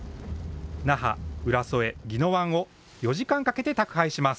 那覇、浦添、宜野湾を４時間かけて宅配します。